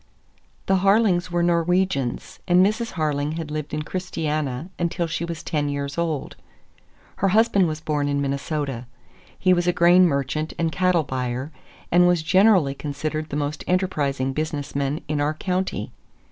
The Harlings were Norwegians, and Mrs. Harling had lived in Christiania until she was ten years old. Her husband was born in Minnesota. He was a grain merchant and cattle buyer, and was generally considered the most enterprising business man in our county.